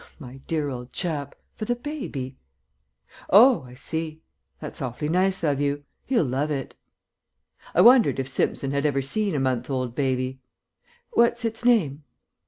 "My dear old chap, for the baby." "Oh, I see. That's awfully nice of you. He'll love it." I wondered if Simpson had ever seen a month old baby. "What's its name?"